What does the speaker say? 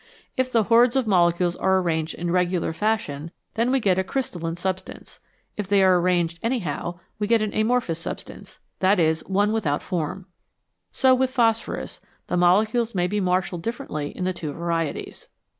If the hordes of molecules are arranged in regular fashion, then we get a crystalline substance ; if they are arranged anyhow, we get an amorphous substance that is, one without form. So with phosphorus, the molecules may be marshalled differently in the two varieties.